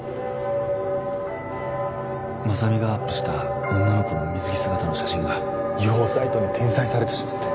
雅美がアップした女の子の水着姿の写真が違法サイトに転載されてしまって